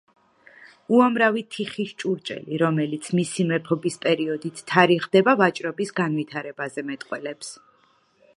უამრავი თიხის ჭურჭელი, რომელიც მისი მეფობის პერიოდით თარიღდება, ვაჭრობის განვითარებაზე მეტყველებს.